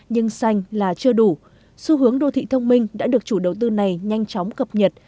nhưng xanh là chưa đủ xu hướng đô thị thông minh đã được chủ đầu tư này nhanh chóng cập nhật